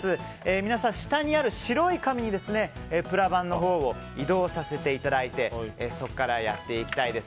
皆さん、下にある白い紙にプラバンのほうを移動させていただいてそこからやっていきたいです。